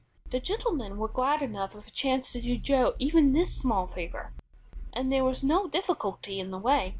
The gentlemen were glad enough of a chance to do Joe even this small favor, and there was no difficulty in the way.